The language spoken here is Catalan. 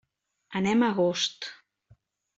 Anem a Agost.